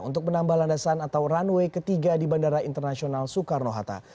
untuk menambah landasan atau runway ketiga di bandara internasional soekarno hatta